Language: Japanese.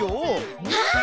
あ！